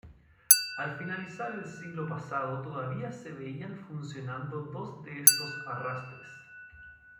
Al finalizar el siglo pasado todavía se veían funcionando dos de estos arrastres.